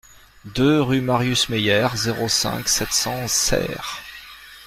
deux rue Marius Meyère, zéro cinq, sept cents Serres